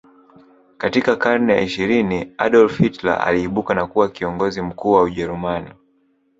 Katika karne ya ishirini Adolf Hitler aliibuka na kuwa kiongozi mkuu wa ujerumani